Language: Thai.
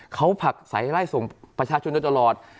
เขาผลักสายไล่ส่งประชาชนตลอด